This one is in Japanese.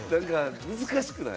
難しくない？